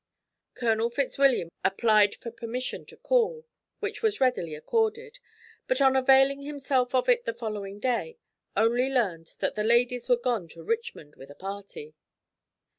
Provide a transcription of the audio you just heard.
Colonel Fitzwilliam applied for permission to call, which was readily accorded, but on availing himself of it the following day only learned that the ladies were gone to Richmond with a party.